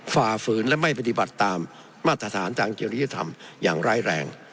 ฝ่าฝืนและไม่ปฏิบัติตามมาตรฐานทางเจริยธรรมอย่างร้ายแรง